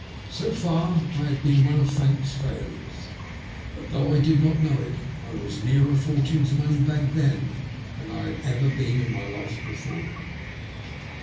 So far I had been one of Fate*s failures, but though I did not know' it, I was nearer fortune's money bag then than I had ever been in my life before.